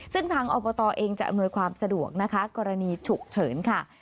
ซึ่งทางอบตเองจะอำนวยความสะดวกนะคะกรณีฉุกเฉินค่ะ